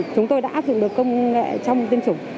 chúng tôi đã áp dụng được công nghệ trong tiêm chủng